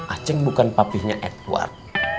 aceng bukan papihnya edward